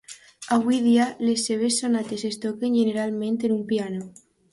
Avui dia, les seves sonates es toquen generalment en un piano.